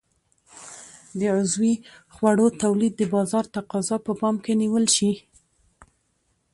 د عضوي خوړو تولید د بازار تقاضا په پام کې نیول شي.